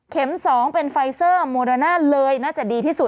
๒เป็นไฟเซอร์โมเดอร์น่าเลยน่าจะดีที่สุด